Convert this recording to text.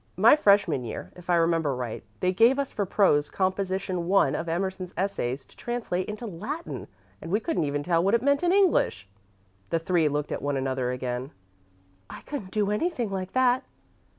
My freshman year, if I remember right, they gave us for prose composition one of Emerson's essays to translate into Latin, and we couldn't even tell what it meant in English." The three looked at one another again. "I couldn't do anything like that."